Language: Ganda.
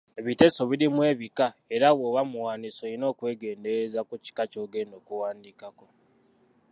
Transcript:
Ebiteeso birimu ebika, era bw’oba muwandiisi olina okwegendereza ku kika ky’ogenda okuwandiikako,